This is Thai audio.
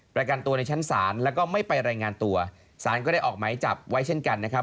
ประกันตัวในชั้นศาลแล้วก็ไม่ไปรายงานตัวสารก็ได้ออกหมายจับไว้เช่นกันนะครับ